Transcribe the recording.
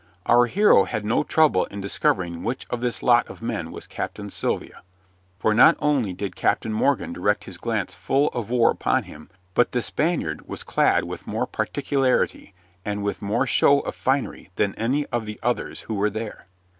Our hero had no trouble in discovering which of this lot of men was Captain Sylvia, for not only did Captain Morgan direct his glance full of war upon him, but the Spaniard was clad with more particularity and with more show of finery than any of the others who were there.